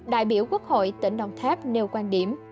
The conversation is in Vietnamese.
đại biểu quốc hội tỉnh đồng tháp nêu quan điểm